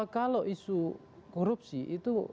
kalau isu korupsi itu